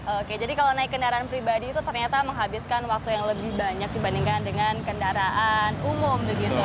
oke jadi kalau naik kendaraan pribadi itu ternyata menghabiskan waktu yang lebih banyak dibandingkan dengan kendaraan umum begitu